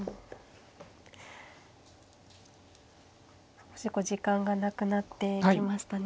少し時間がなくなってきましたね。